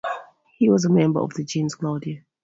He was a member of the "gens" Claudia.